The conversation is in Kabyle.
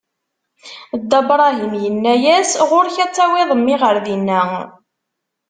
Dda Bṛahim inna-as: Ɣur-k ad tawiḍ mmi ɣer dinna!